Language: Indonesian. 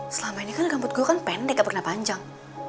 selama ini kan rambut gue kan pendek gak pernah panjang